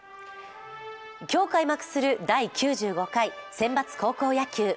今日開幕する第９５回選抜高校野球。